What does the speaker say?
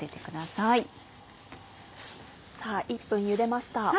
さぁ１分ゆでました。